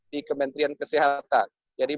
di kementerian kesehatan jadi